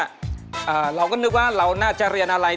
เราก็นึกว่าเราน่าจะเรียนอะไร